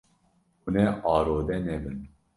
Hûn ê arode nebin.